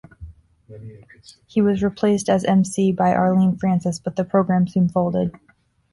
He was replaced as emcee by Arlene Francis, but the program soon folded.